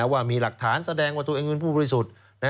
ว่ามีหลักฐานแสดงว่าตัวเองเป็นผู้บริสุทธิ์